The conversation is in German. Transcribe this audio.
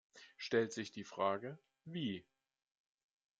Stellt sich die Frage, wie?